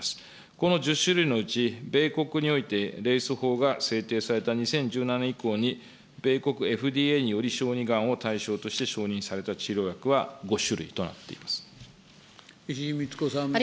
この１０種類のうち、米国において法が制定された２０１７年以降に、米国ＦＤＡにより小児がんを対象として承認された治療薬は５種類石井苗子さん。